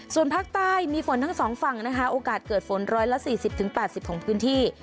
ส่วนภาคใต้มีฝนทั้งสองฝั่งนะคะโอกาสเกิดฝนร้อยละสี่สิบถึงแปดสิบของพื้นที่